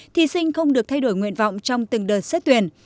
thí sinh không được thay đổi nguyện vọng trong từng đợt xét tuyển